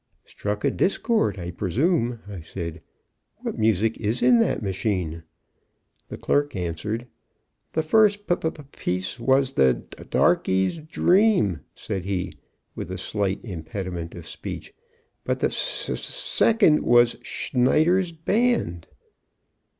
"Struck a discord, I presume," I said. "What music is in that machine?" The clerk answered. "The first p p piece was the "Darkey's Dream,"" said he, with slight impediment of speech, "but the s s second was "Schneider's Band.""